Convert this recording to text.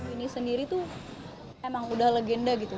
ini sendiri tuh emang udah legenda gitu